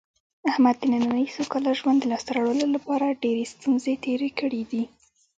احمد د نننۍ سوکاله ژوند د لاسته راوړلو لپاره ډېرې ستونزې تېرې کړې دي.